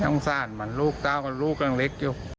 น้องอุ้งแซนมันรูมิกลางเล็ก